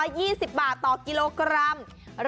ราคาสินค้าในตลาดของเรายังคงที่อยู่นะ